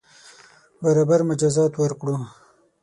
برابر مجازات ورکړو.